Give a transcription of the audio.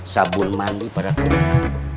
sabun mandi pada kudanya